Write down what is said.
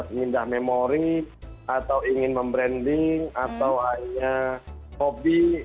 batas mengindah memori atau ingin membranding atau hanya hobi